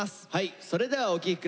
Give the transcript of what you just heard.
それではお聴き下さい。